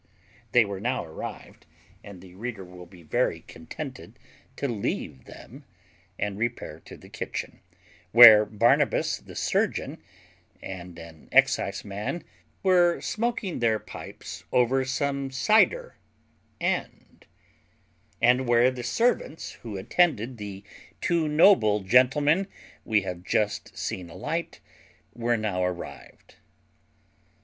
] They were now arrived; and the reader will be very contented to leave them, and repair to the kitchen; where Barnabas, the surgeon, and an exciseman were smoaking their pipes over some cyder and; and where the servants, who attended the two noble gentlemen we have just seen alight, were now arrived.